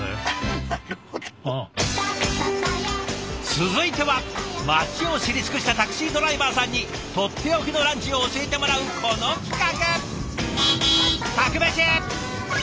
続いては街を知り尽くしたタクシードライバーさんにとっておきのランチを教えてもらうこの企画。